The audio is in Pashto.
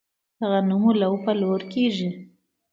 د غنمو لو په لور کیږي.